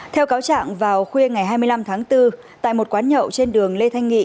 theo cáo trạng vào khuya ngày hai mươi năm tháng bốn tại một quán nhậu trên đường lê thanh nghị